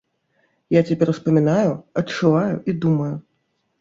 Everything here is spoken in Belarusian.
Я цяпер успамінаю, адчуваю і думаю.